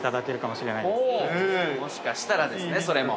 ◆もしかしたらですね、それも。